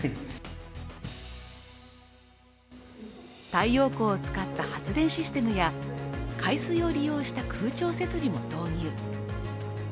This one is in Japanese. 太陽光を使った発電システムや海水を利用した空調設備も導入。